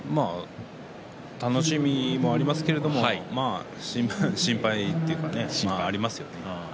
楽しみもありますけれども心配というかねそれもありますね。